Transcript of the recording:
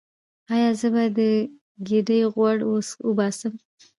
ایا زه باید د ګیډې غوړ وباسم؟